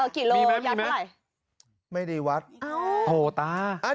กี่โลยักษ์เท่าไหร่